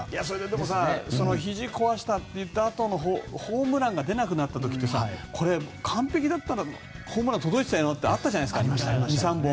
でも、ひじを壊しながらといったあとのホームランが出なくなった時ってさこれ、完璧だったらホームラン届いてたってあったじゃないですか２３本。